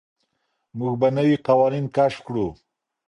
موږ به نوي قوانين کشف کړو.